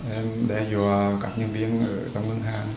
em đe dọa các nhân viên trong ngân hàng